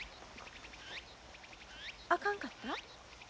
あかんかった？